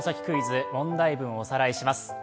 クイズ」問題文をおさらいします。